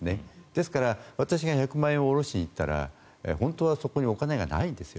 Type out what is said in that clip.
ですから、私が１００万円を下ろしに行ったら本当はそこにお金がないんですよ。